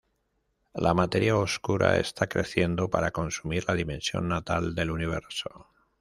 La materia oscura está creciendo para consumir la dimensión natal del universo.